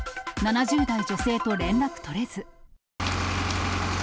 ７０代女性と連絡取れず。